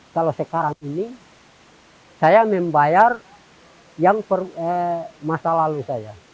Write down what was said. kalau sekarang ini saya membayar yang masa lalu saya